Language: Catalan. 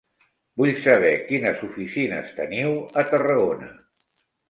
Vull saber quines oficines teniu a Tarragona.